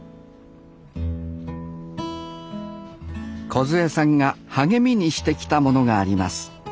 こずえさんが励みにしてきたものがあります